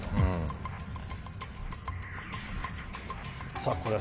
さぁこれは。